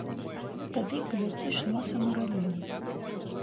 Тады паляціш носам у раллю.